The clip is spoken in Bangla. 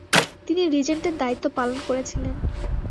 তিনি রিজেন্টের দায়িত্ব পালন করেছিলেন।